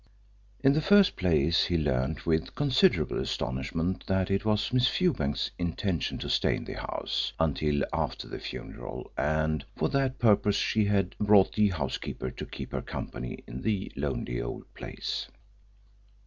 In the first place, he learnt with considerable astonishment that it was Miss Fewbanks's intention to stay at the house until after the funeral, and for that purpose she had brought the housekeeper to keep her company in the lonely old place.